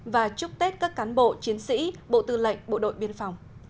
và chúc tết các cán bộ chiến sĩ bộ tư lệnh bộ đội biên phòng